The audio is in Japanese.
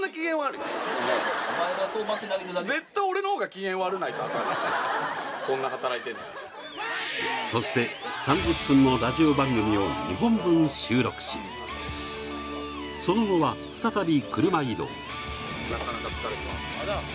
お前がそう祭り上げてるだけやそして３０分のラジオ番組を２本分収録しその後は再び車移動なかなか疲れてます